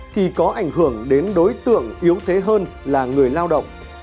thì có ảnh hưởng đến đối tượng yếu thế hơn là người lao động